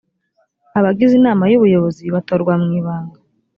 abagize inama y ubuyobozi batorwa mu ibanga